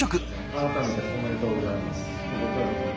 改めておめでとうございます。